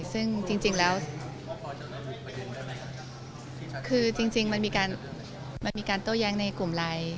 ซึ่งจริงจริงแล้วคือจริงจริงมันมีการมันมีการโต้แย้งในกลุ่มไลน์